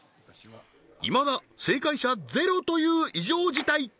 いまだ正解者ゼロという異常事態